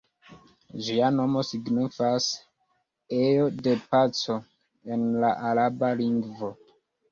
Ĝia nomo signifas "ejo de paco" en la araba lingvo.